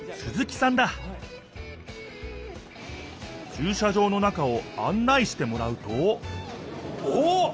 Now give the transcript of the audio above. ちゅう車場の中をあん内してもらうとおおっ！